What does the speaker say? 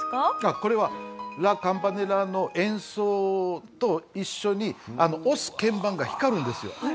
これは『ラ・カンパネラ』の演奏と一緒に押す鍵盤が光るんですよ。